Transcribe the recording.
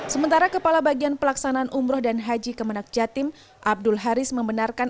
sementara kepala bagian pelaksanaan umroh dan haji kemenak jatim abdul haris membenarkan